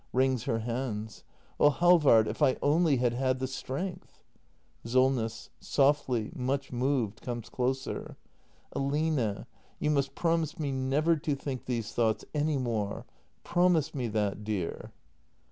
[Wrings her hands.] Oh, Halvard, if I had only had the strength! Solness. [Softly, much moved, comes closer.] Aline — you must promise me never to think these thoughts any more. — Promise me that, dear!